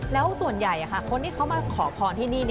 แล้วส่วนใหญ่คนที่เขามาขอพรที่นี่